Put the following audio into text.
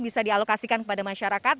bisa dialokasikan kepada masyarakat